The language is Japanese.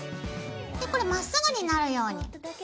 これまっすぐになるように。